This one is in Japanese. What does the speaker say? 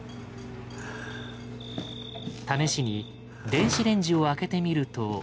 試しに電子レンジを開けてみると。